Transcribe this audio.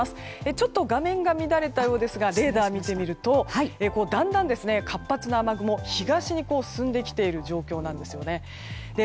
ちょっと画面が乱れたようですがレーダーを見てみるとだんだん、活発な雨雲が東に進んできている状況なんです。